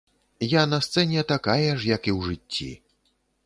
Я на сцэне такая ж, як і ў жыцці.